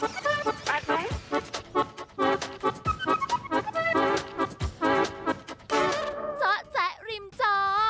เจ้าแจ๊กริมจอ